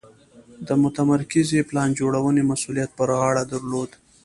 د متمرکزې پلان جوړونې مسوولیت پر غاړه درلود.